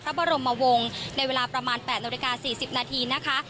พระบรมวงในเวลาประมาณ๘น๔๐นนะคะ